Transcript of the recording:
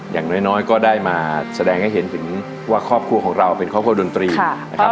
อย่างน้อยก็ได้มาแสดงให้เห็นถึงว่าครอบครัวของเราเป็นครอบครัวดนตรีนะครับ